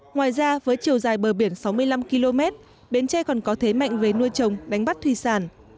ngoài ra với chiều dài bờ biển sáu mươi năm km bến tre còn có thế mạnh về nuôi trồng đánh bắt thủy sản